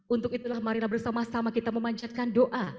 untuk itulah marilah bersama sama kita memanjatkan doa